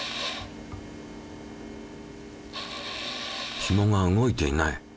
ひもが動いていない。